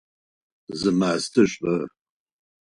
Зы мастэ штэ!